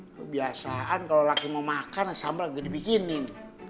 kebiasaan kalo laki mau makan sambel gak dibikinin